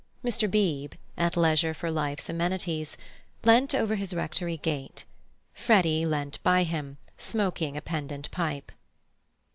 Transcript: Mr. Beebe, at leisure for life's amenities, leant over his Rectory gate. Freddy leant by him, smoking a pendant pipe.